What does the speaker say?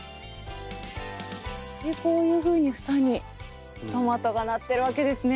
こういうふうに房にトマトがなってるわけですね。